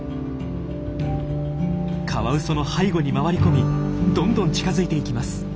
カワウソの背後に回り込みどんどん近づいていきます。